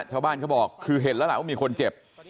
เขาบอกคือเห็นแล้วล่ะว่ามีคนเจ็บ